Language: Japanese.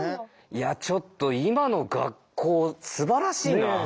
いやちょっと今の学校すばらしいなあ。